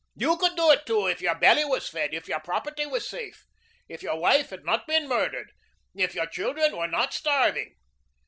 You could do it, too, if your belly was fed, if your property was safe, if your wife had not been murdered if your children were not starving.